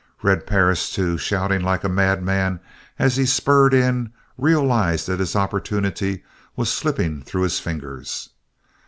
Red Perris, too, shouting like a mad man as he spurred in, realized that his opportunity was slipping through his fingers.